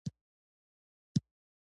آیا کاناډا د اعلاناتو شرکتونه نلري؟